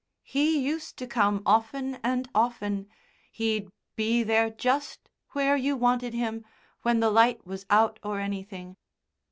"He used to come often and often. He'd be there just where you wanted him when the light was out or anything.